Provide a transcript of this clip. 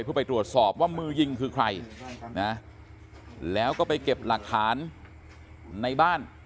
เพื่อไปตรวจสอบว่ามือยิงคือใครนะแล้วก็ไปเก็บหลักฐานในบ้าน